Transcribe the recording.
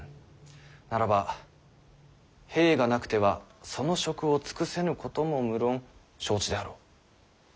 ならば兵がなくてはその職を尽くせぬことも無論承知であろう。